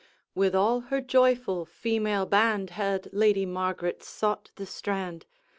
With all her joyful female band Had Lady Margaret sought the strand.